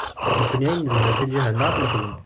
Nekkni ayen nezmer seg lǧiha-nneɣ ad t-nexdem.